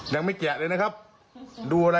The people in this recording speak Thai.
ใส่แล้ว